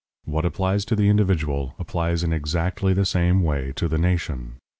What applies to the individual, applies in exactly the same way to the nation.